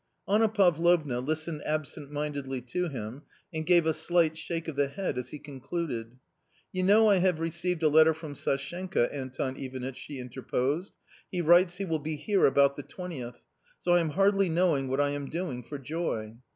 Anna Pavlovna listened absent mindedly to him, and gave a slight shake of the head as he concluded. "You know I have received a letter from Sashenka, Anton Ivanitch!" she interposed, "he writes he will be here about the 20th ; so I am hardly knowing what I am doing for joy."